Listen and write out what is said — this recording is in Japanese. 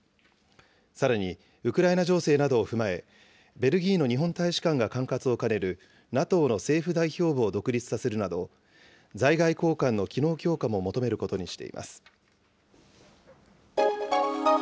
さらに、ウクライナ情勢などを踏まえ、ベルギーの日本大使館が管轄を兼ねるＮＡＴＯの政府代表部を独立させるなど、在外公館の機能強化も求めることにしています。